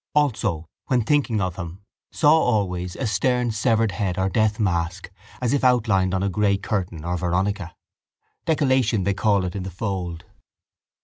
Also, when thinking of him, saw always a stern severed head or death mask as if outlined on a grey curtain or veronica. Decollation they call it in the fold.